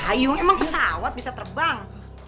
ayo emang pesawat bisa terbang